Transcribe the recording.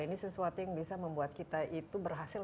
ini sesuatu yang bisa membuat kita itu berhasil